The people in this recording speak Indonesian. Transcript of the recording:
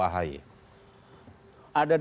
ada dinamika yang dulu